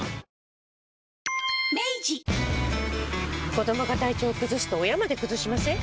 子どもが体調崩すと親まで崩しません？